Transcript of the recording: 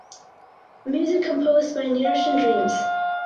Music composed by Niroshan Dreams.